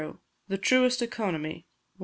The Truest Economy (1).